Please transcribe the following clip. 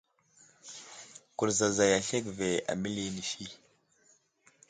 Kurzazay aslege ve ,aməli inisi.